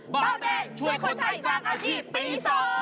เบาแดงช่วยคนไทยสร้างอาชีพปี๒